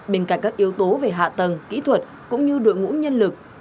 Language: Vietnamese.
bên cạnh các yếu tố về hạ tầng kỹ thuật cũng như đội ngũ nhân lực